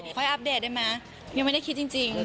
ค่อยอัปเดตได้มั้ยยังไม่ได้คิดจริง